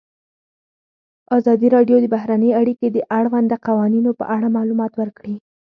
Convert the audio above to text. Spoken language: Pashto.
ازادي راډیو د بهرنۍ اړیکې د اړونده قوانینو په اړه معلومات ورکړي.